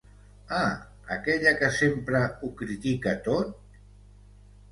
Ah, aquella que sempre ho critica tot?